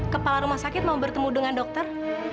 kepala rumah sakit mau bertemu dengan dokter